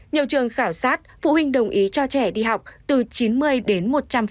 nhiều trường khảo sát phụ huynh đồng ý cho trẻ đi học từ chín mươi đến một trăm linh